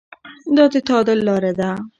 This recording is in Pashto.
دا د تعادل لاره ده.